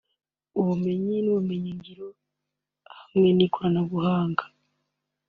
ubumenyi n’ubumenyingiro hamwe n’ikoranabuhanga